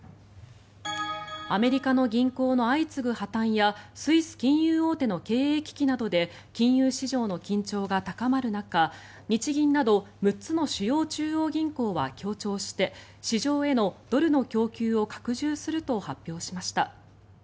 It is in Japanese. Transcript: アメリカの銀行の相次ぐ破たんやスイス金融大手の経営危機などで金融市場の緊張が高まる中日銀など６つの主要中央銀行は協調して市場へのドルの供給を拡充すると発表しました。